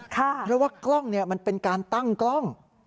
เพราะว่ากล้องมันเป็นการตั้งกล้อง